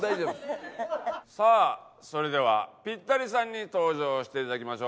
さあそれではピッタリさんに登場していただきましょう。